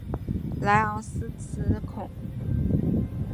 莱昂西兹孔。